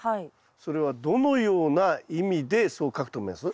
それはどのような意味でそう書くと思います？